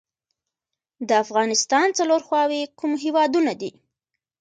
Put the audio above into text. د افغانستان څلور خواوې کوم هیوادونه دي؟